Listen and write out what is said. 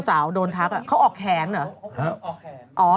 สาวโดนทักเขาออกแขนเหรอ